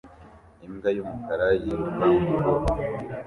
Imbwa yumukara yiruka mu rubura